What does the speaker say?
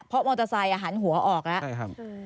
เพราะมอเตอร์ไซน์หันหัวออกแล้ว